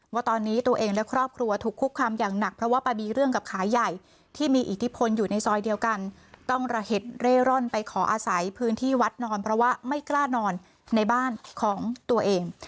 ว่าตอนนี้ตัวเองและครอบครัวถูกคุกคามอย่างหนักเพราะว่าไปมีเรื่องกับขายใหญ่ที่มีอิทธิพลอยู่ในซอยเดียวกันต้องระเห็ดเร่ร่อนไปขออาศัยพื้นที่วัดนอนเพราะว่าไม่กล้านอนในบ้านของตัวเอง